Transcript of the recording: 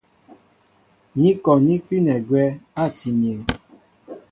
Ni kɔ ní kʉ́nɛ agwɛ́ átii myéŋ.